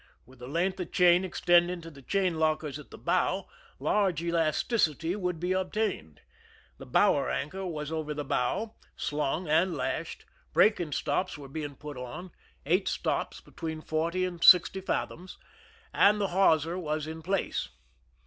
With the length of chain extending to the chain lockers at the bow, large elasticity would be ob tained. The bower anchor was over the bow, slung and lashed; breaking stops were being put on, 55 THE SINKING OF THE "MEREIMAC" eight stops between forty and sixty fathoms; and the hawser was in place.